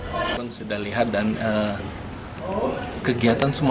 walaupun sudah lihat dan kegiatan semua